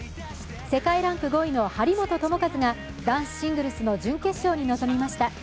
世界ランク５位の張本智和が男子シングルスの準決勝に臨みました。